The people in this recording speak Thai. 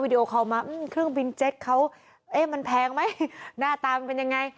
ดีโอคอลมาเครื่องบินเจ็ตเขาเอ๊ะมันแพงไหมหน้าตามันเป็นยังไง